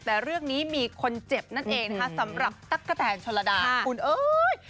แต่เรื่องนี้มีคนเจ็บนั่นเองค่ะสำหรับทักตะแทนชนดาคุณคุณเอ้ย